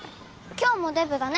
今日もデブだね